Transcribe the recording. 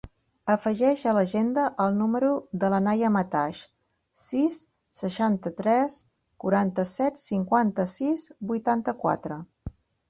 Afegeix a l'agenda el número de la Naia Mataix: sis, seixanta-tres, quaranta-set, cinquanta-sis, vuitanta-quatre.